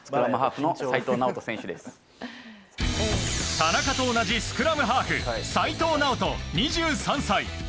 田中と同じスクラムハーフ齋藤直人、２３歳。